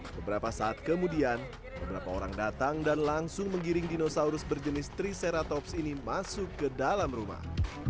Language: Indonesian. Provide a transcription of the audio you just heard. beberapa saat kemudian beberapa orang datang dan langsung menggiring dinosaurus berjenis triceratops ini masuk ke dalam rumah